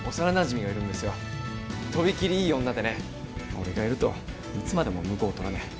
俺がいるといつまでも婿を取らねえ。